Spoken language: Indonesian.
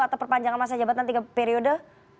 atau perpanjangan masa jabatan tiga periode